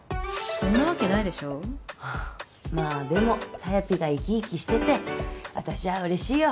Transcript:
そんなわけないでしょまあでもさやぴがイキイキしてて私は嬉しいよ